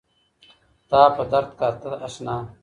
تا په درد كاتــه اشــنـا